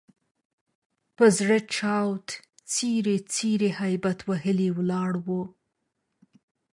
په زړه چاود، څیري څیري هبیت وهلي ولاړ وو.